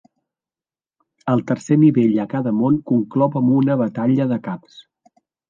El tercer nivell a cada món conclou amb una batalla de caps.